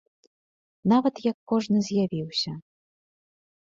Нават як кожны з'явіўся.